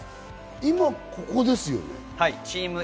今、ここですよね。